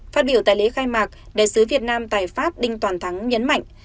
phát biểu tại lễ khai mạc đại sứ việt nam tại pháp đinh toàn thắng nhấn mạnh